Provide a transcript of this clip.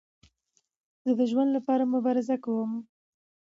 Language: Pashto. زه د ژوند له پاره مبارزه کوم.